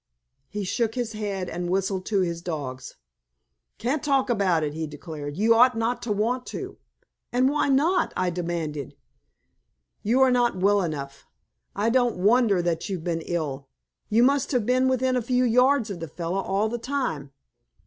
He shook his head, and whistled to his dogs. "Can't talk about it," he declared. "You ought not to want to." "And why not?" I demanded. "You are not well enough. I don't wonder that you've been ill. You must have been within a few yards of the fellow all the time.